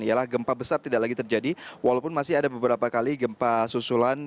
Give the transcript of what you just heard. ialah gempa besar tidak lagi terjadi walaupun masih ada beberapa kali gempa susulan